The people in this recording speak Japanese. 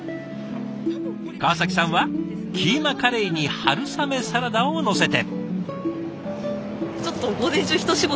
川さんはキーマカレーに春雨サラダをのせて。